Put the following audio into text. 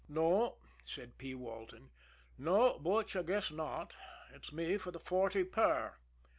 "No," said P. Walton. "No, Butch, I guess not it's me for the forty per."